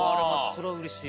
それはうれしい。